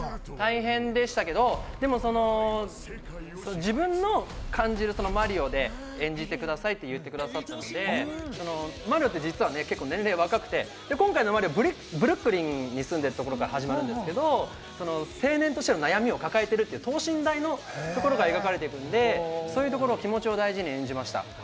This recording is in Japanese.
大変でしたけど、自分の感じる、そのマリオで演じてくださいって言ってくださったので、マリオって実は年齢若くて、今回のマリオ、ブルックリンに住んでるところから始まるんですけど、青年としての悩みを抱えているという等身大のところが描かれているので、その気持ちを大事に演じました。